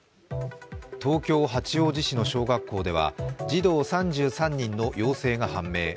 東京・八王子市の小学校では児童３３人の陽性が判明。